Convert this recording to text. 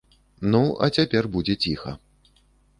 Ну, а цяпер будзе ціха.